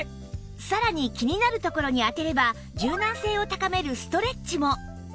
さらに気になるところに当てれば柔軟性を高めるストレッチも